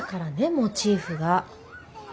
モチーフが。